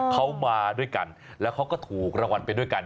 เขามาด้วยกันแล้วเขาก็ถูกรางวัลไปด้วยกัน